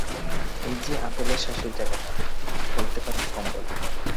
এই যে আপেলের শ্বাসের জায়গাটা, এটাকে বলতে পারেন কম্বল!